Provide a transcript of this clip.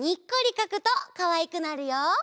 かくとかわいくなるよ！